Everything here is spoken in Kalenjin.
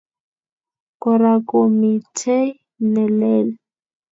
Kora komitei ne lel.